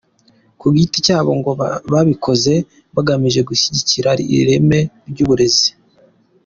Ku giti cyabo ngo babikoze bagamije gushyigikira ireme ry’uburezi.